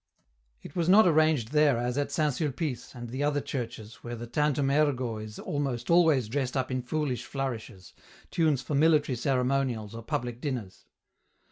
It was not arranged there as at St. Sulpice and the other churches where the " Tantum ergo " is almost always dressed up in foolish flourishes, tunes for military ceremonials or public dinners.